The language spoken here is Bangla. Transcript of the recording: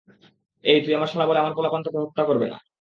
এই, তুই আমার শালা বলে আমার পালাপান তোকে হত্যা করবে না।